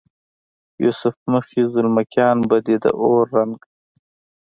یوسف مخې زلمکیان به دې د اور رنګ،